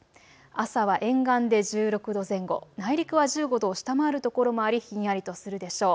朝は沿岸で１６度前後、内陸は１５度を下回る所もありひんやりとするでしょう。